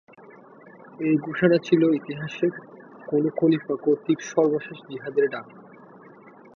এই ঘোষণা ছিল ইতিহাসের কোনো খলিফা কর্তৃক সর্বশেষ জিহাদের ডাক।